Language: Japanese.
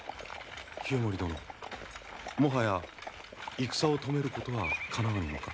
清盛殿もはや戦を止めることはかなわぬのか？